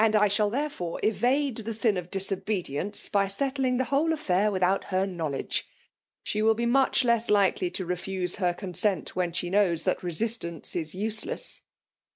shall liierefore evade the sin of. disobedience by settling' the whole affair without her knowledge. She will be much less likely to refuse her con s6tit^ when she knows that resistance is use less